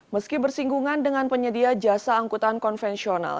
meski bersinggungan dengan penyedia jasa angkutan konvensional